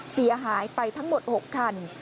เสียหายไปทั้งหมด๖คัน